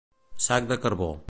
Sac de carbó.